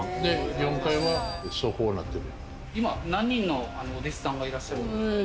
４階は倉庫になってる。